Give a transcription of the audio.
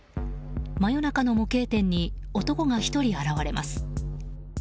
真夜中の模型店に男が１人現れます。